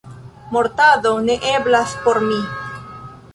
Mortado ne eblas por mi.